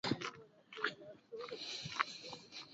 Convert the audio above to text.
دوی په لیکونو کې پر هند د حملې غوښتنه کړې وه.